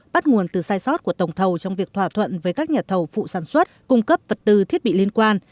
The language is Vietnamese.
bắt nguồn từ sai sót của tổng thầu trong việc thỏa thuận với các nhà thầu phụ sản xuất cung cấp vật tư thiết bị liên quan